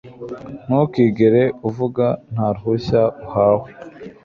ntukigere uvuga nta ruhushya uhawe